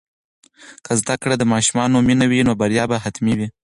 که زده کړه د ماشومانو مینه وي، نو بریا به حتمي وي.